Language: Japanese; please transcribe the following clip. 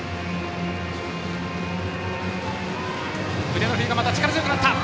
腕の振りが力強くなった。